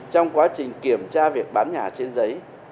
trong quá trình kiểm tra việc bán nhà trên giấy